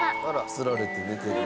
つられて寝てる。